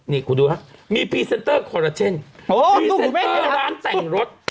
นี่คุณดูครับมีพรีเซนเตอร์โคลาเจนโอ้โหพรีเซนเตอร์ร้านแต่งรถ